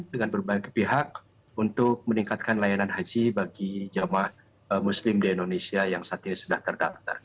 dengan berbagai pihak untuk meningkatkan layanan haji bagi jamaah muslim di indonesia yang saat ini sudah terdaftar